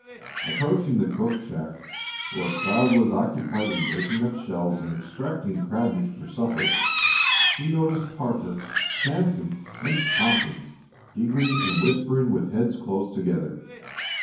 Approaching the cook shack, where a crowd was occupied in breaking up shells and extracting crab meat for supper, he noticed Parker, Sanson, and Tompkins giggling and whispering with heads close together.